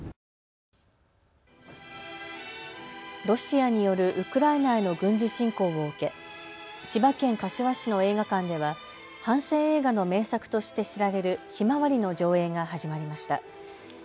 ロシアによるウクライナへの軍事侵攻を受け、千葉県柏市の映画館では反戦映画の名作として知られるひまわりの上映が始まりました。